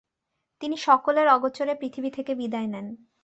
তিনি সকলের অগোচরে পৃথিবী থেকে বিদায় নেন।